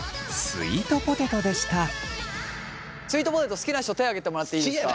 スイートポテト好きな人手挙げてもらっていいですか？